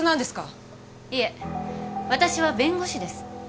いえ私は弁護士です。